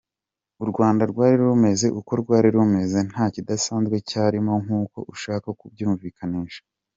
U Rwanda rwari rumeze uko rwari rumeze nta kidasanzwe cyarimo nk’uko ushaka kubyumvikanisha.